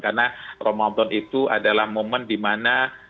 karena ramadan itu adalah momen dimana